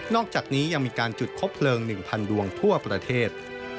อกจากนี้ยังมีการจุดคบเพลิง๑๐๐ดวงทั่วประเทศ